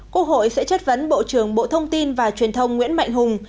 quốc hội sẽ chất vấn bộ trưởng bộ thông tin và truyền thông nguyễn mạnh hùng